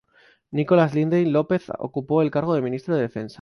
Nicolás Lindley López ocupó el cargo de Ministro de Defensa.